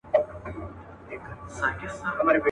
په کښتیو په جالو کي سپرېدلې.